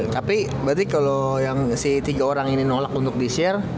tapi berarti kalau yang si tiga orang ini nolak untuk di share